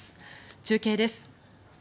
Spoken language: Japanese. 中継です。